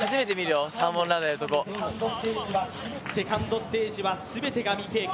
セカンドステージは全てが未経験。